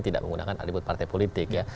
tidak menggunakan atribut partai politik ya